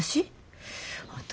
私？